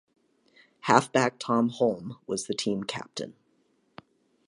Halfback Tom Hulme was the team captain.